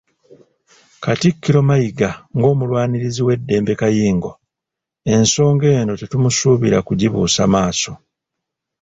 Katikkiro Mayiga ng'omulwanirizi w'eddembe kayingo, ensonga eno tetumusuubira kugibuusa maaso.